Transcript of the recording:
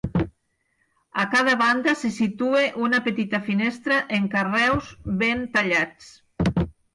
A cada banda se situa una petita finestra en carreus ben tallats.